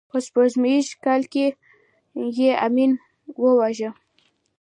په سپوږمیز کال کې یې امین وواژه.